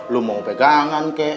lo mau pegangan kek